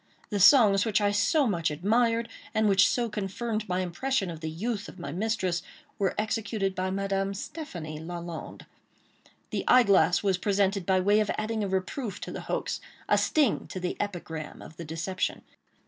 The songs which I so much admired, and which so confirmed my impression of the youth of my mistress, were executed by Madame Stéphanie Lalande. The eyeglass was presented by way of adding a reproof to the hoax—a sting to the epigram of the deception.